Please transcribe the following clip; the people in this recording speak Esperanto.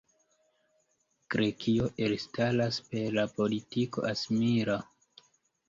Grekio elstaras per la politiko asimila.